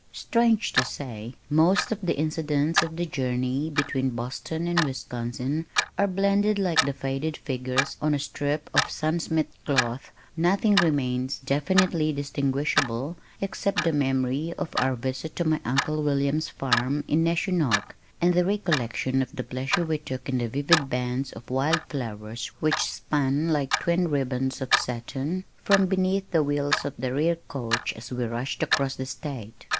Strange to say, most of the incidents of the journey between Boston and Wisconsin are blended like the faded figures on a strip of sun smit cloth, nothing remains definitely distinguishable except the memory of our visit to my Uncle William's farm in Neshonoc, and the recollection of the pleasure we took in the vivid bands of wild flowers which spun, like twin ribbons of satin, from beneath the wheels of the rear coach as we rushed across the state.